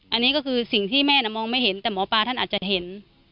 อันนี้ก็คือสิ่งที่แม่น่ะมองไม่เห็นแต่หมอปลาท่านอาจจะเห็น